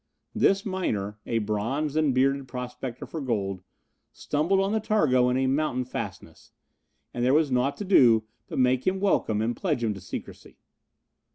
This miner, a bronzed and bearded prospector for gold, stumbled on the targo in a mountain fastness, and there was nought to do but make him welcome and pledge him to secrecy.